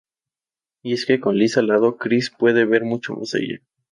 Y es que con Liz al lado, Cris puede ver mucho más allá.